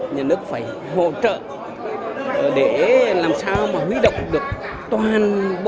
nhà nước phải hỗ trợ để làm sao mà huy động được toàn